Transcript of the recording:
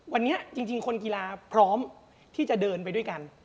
วันนี้จริงคนกีฬาพร้อมที่จะเดินไปด้วยกัน